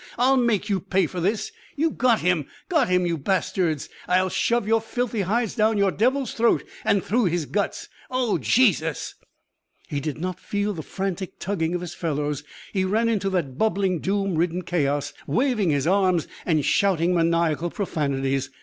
I'll make you pay for this. You got him, got him, you bastards! I'll shove your filthy hides down the devil's throat and through his guts. Oh, Jesus!" He did not feel the frantic tugging of his fellows. He ran into that bubbling, doom ridden chaos, waving his arms and shouting maniacal profanities.